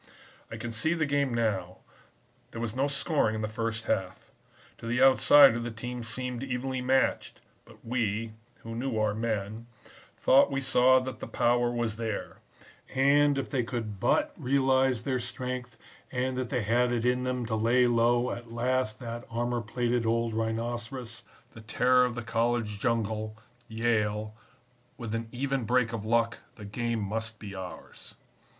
"I can see the game now; there was no scoring in the first half. To the outsider the teams seemed evenly matched, but we, who knew our men, thought we saw that the power was there; and if they could but realize their strength and that they had it in them to lay low at last that armor plated old rhinoceros, the terror of the college jungle Yale, with an even break of luck, the game must be ours.